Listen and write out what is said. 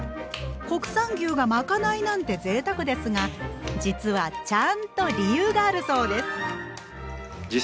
国産牛がまかないなんてぜいたくですが実はちゃんと理由があるそうです。